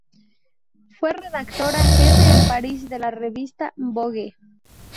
Fue redactora jefe en París de la revista "Vogue.